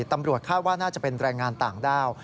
ตำรวจคาดว่าน่าจะเป็นแรงงานต่างด้าว